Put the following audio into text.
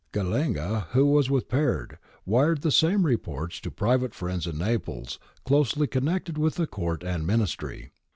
Gallenga, who was with Peard, wired the same reports to private friends in Naples closely connected with the Court and Ministry.